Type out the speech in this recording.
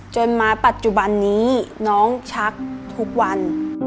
จนมาปัจจุบันนี้น้องชักทุกวัน